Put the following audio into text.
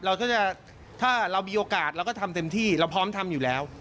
เราก็จะถ้าเรามีโอกาสเราก็ทำเต็มที่เราพร้อมทำอยู่แล้ว